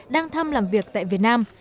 đang thăm làm việc tại việt nam